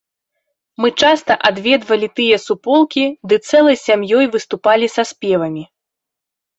Мы часта адведвалі тыя суполкі ды цэлай сям'ёй выступалі са спевамі.